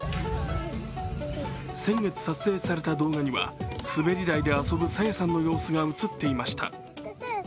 先月、撮影された動画には滑り台で遊ぶ朝芽さんの様子が映っていました。